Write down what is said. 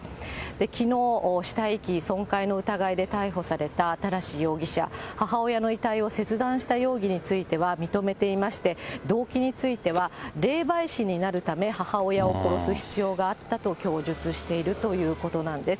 きのう、死体遺棄・損壊の疑いで逮捕された新容疑者、母親の遺体を切断した容疑については認めていまして、動機については、霊媒師になるため、母親を殺す必要があったと供述しているということなんです。